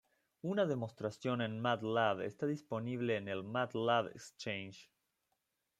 Una demostración en Matlab está disponible en el Matlab exchange.